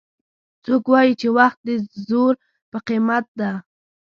څوک وایي چې وخت د زرو په قیمت ده